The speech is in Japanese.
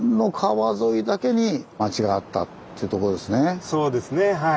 ほんのそうですねはい。